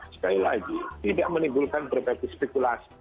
sekali lagi tidak menimbulkan berbagai spekulasi